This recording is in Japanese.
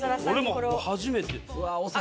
俺も初めて。